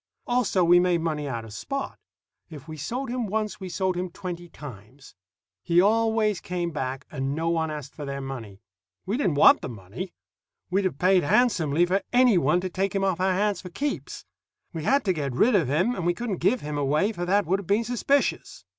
Also, we made money out of Spot. If we sold him once, we sold him twenty times. He always came back, and no one asked for their money. We didn't want the money. We'd have paid handsomely for any one to take him off our hands for keeps. We had to get rid of him, and we couldn't give him away, for that would have been suspicious.